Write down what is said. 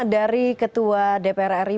dari ketua dpr ri